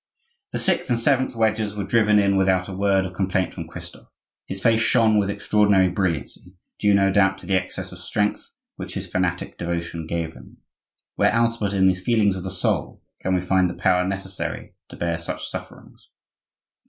The sixth and seventh wedges were driven in without a word of complaint from Christophe. His face shone with extraordinary brilliancy, due, no doubt, to the excess of strength which his fanatic devotion gave him. Where else but in the feelings of the soul can we find the power necessary to bear such sufferings?